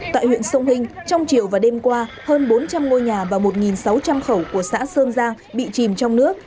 tại huyện sông hinh trong chiều và đêm qua hơn bốn trăm linh ngôi nhà và một sáu trăm linh khẩu của xã sơn giang bị chìm trong nước